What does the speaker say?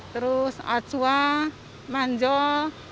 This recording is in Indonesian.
terus acua manjol